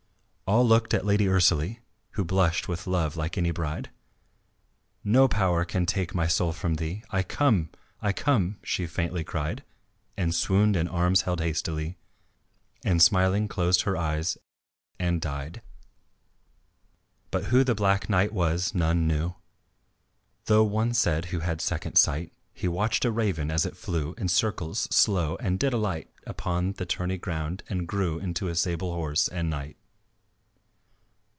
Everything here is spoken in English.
All looked at Lady Ursalie, Who blushed with love like any bride: "No power can take my soul from thee, I come, I come," she faintly cried, And swooned in arms held hastily And smiling closed her eyes and died. But who the Black Knight was none knew, Though one said who had second sight, He watched a raven as it flew In circles slow and did alight Upon the tourney ground and grew Into a sable horse and knight.